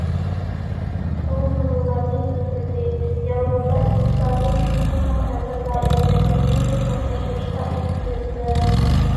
ئۇ مۇنۇلارنى بىلدۈردى: ياۋروپا ئىتتىپاقى تېخىمۇ كەڭ نەزەر دائىرىگە، تېخىمۇ كۆپ ماسلاشتۇرۇشقا ئېھتىياجلىق.